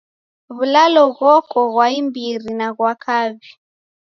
W'ulalo ghoko ghwa imbiri na ghwa kaw'i.